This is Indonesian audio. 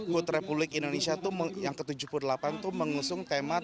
food republic indonesia yang ke tujuh puluh delapan itu mengusung tema